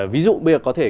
ví dụ bây giờ có thể là